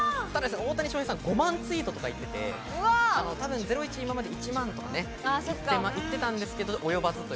大谷翔平さん、５万ツイートとか行ってて、『ゼロイチ』は今まで１万とか行ってたんですが及ばず。